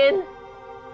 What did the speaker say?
dan sampai kembali kembali